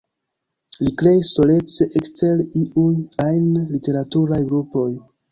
Li kreis solece ekster iuj ajn literaturaj grupoj.